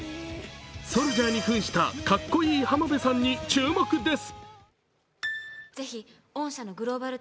ソルジャーにふんしたかっこいい浜辺さんに注目です。